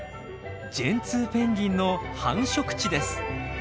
ジェンツーペンギンの繁殖地です。